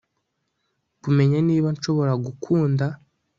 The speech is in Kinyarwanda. Kumenya niba nshobora gukunda